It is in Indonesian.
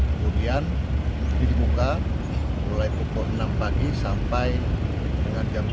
kemudian ini dibuka mulai pukul enam pagi sampai dengan jam tujuh